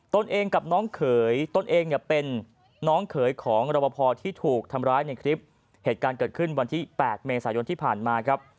ต้นเองกับน้องเขยต้นเองเป็นน้องเขยของระวะพอที่ถูกทำร้ายในคลิปเหตุการณ์ขึ้นที่๘เมศายนที่ผ่านมาครับ